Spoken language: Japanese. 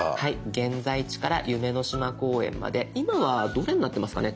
「現在地」から「夢の島公園」まで今はどれになってますかね？